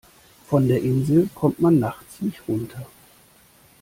Von der Insel kommt man nachts nicht runter.